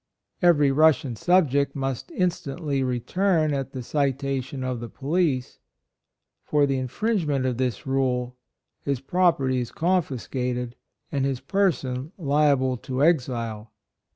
Every Russian subject must instantly return at the citation of the police; for the in RECALLED TO EUROPE, &C. 63 fringement of this rule, his prop erty is confiscated and his person liable to exile."